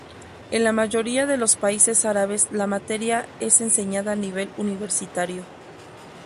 En la mayoría de los países árabes la materia es enseñada a nivel universitario.